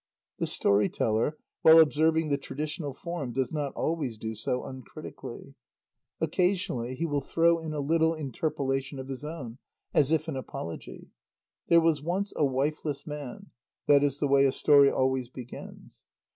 The story teller, while observing the traditional form, does not always do so uncritically. Occasionally he will throw in a little interpolation of his own, as if in apology: "There was once a wifeless man that is the way a story always begins."